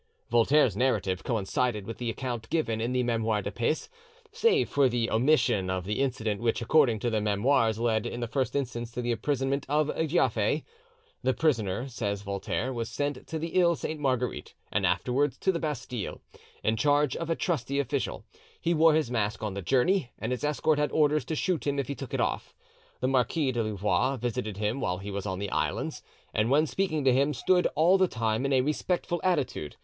Voltaire's narrative coincided with the account given in the 'Memoires de Peyse', save for the omission of the incident which, according to the 'Memoires', led in the first instance to the imprisonment of Giafer. "The prisoner," says Voltaire, "was sent to the Iles Sainte Marguerite, and afterwards to the Bastille, in charge of a trusty official; he wore his mask on the journey, and his escort had orders to shoot him if he took it off. The Marquis de Louvois visited him while he was on the islands, and when speaking to him stood all the time in a respectful attitude.